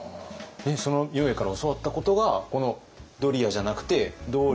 その明恵から教わったことがこのドリアじゃなくてドリ